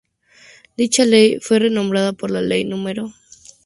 Dicha Ley fue reformada por la Ley No.